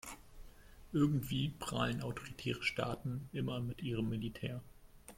Irgendwie prahlen autoritäre Staaten immer mit ihrem Militär.